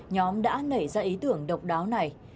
nhóm đã nảy ra ý tưởng độc đáo này